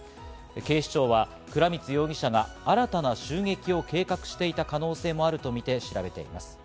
警視庁は倉光容疑者が新たな襲撃を計画していた可能性もあるとみて調べています。